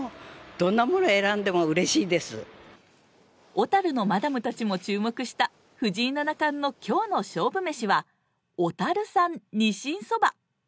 小樽のマダムたちも注目した藤井七冠の今日の勝負めしは小樽産鰊そば。